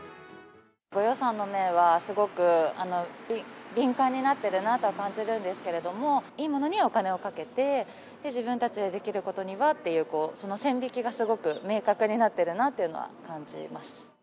ご予算の面は、すごく敏感になってるなとは感じるんですけど、いいものにはお金をかけて、自分たちでできることにはっていう、その線引きがすごく明確になってるなというのは感じます。